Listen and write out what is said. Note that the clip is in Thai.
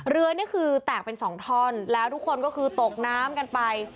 นี่คือแตกเป็นสองท่อนแล้วทุกคนก็คือตกน้ำกันไป